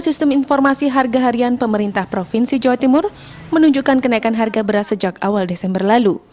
sistem informasi harga harian pemerintah provinsi jawa timur menunjukkan kenaikan harga beras sejak awal desember lalu